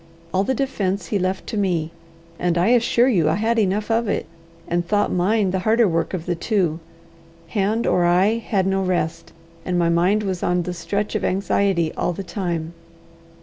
All the defence he left to me, and I assure you I had enough of it, and thought mine the harder work of the two: hand or eye had no rest, and my mind was on the stretch of anxiety all the time.